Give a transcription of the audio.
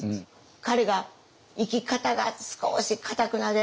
彼が生き方が少しかたくなで。